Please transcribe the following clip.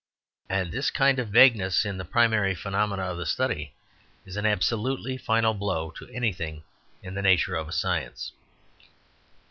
And this kind of vagueness in the primary phenomena of the study is an absolutely final blow to anything in the nature of a science.